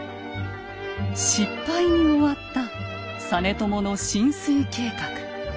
失敗に終わった実朝の進水計画。